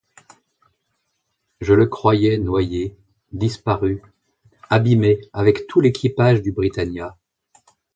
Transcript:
Je le croyais noyé, disparu, abîmé avec tout l’équipage du Britannia.